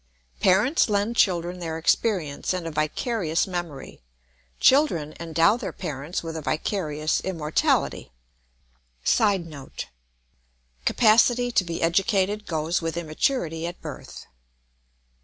Parents lend children their experience and a vicarious memory; children endow their parents with a vicarious immortality. [Sidenote: Capacity to be educated goes with immaturity at birth.